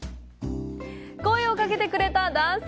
声をかけてくれた男性！